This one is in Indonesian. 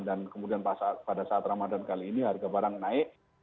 dan kemudian pada saat ramadhan kali ini harga barang naik